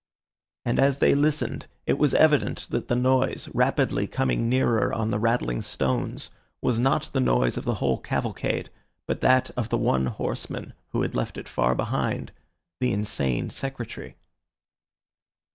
And as they listened, it was evident that the noise, rapidly coming nearer on the rattling stones, was not the noise of the whole cavalcade but that of the one horseman, who had left it far behind—the insane Secretary.